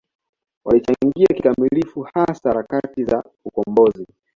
Walichangia kikamilifu hasa harakati za ukombozi